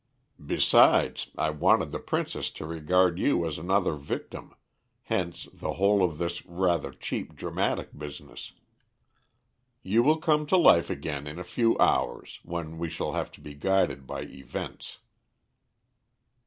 "Besides, I wanted the princess to regard you as another victim, hence the whole of this rather cheap dramatic business. You will come to life again in a few hours when we shall have to be guided by events."